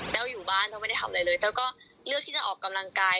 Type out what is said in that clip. แล้วอยู่บ้านแต้วไม่ได้ทำอะไรเลยแต้วก็เลือกที่จะออกกำลังกาย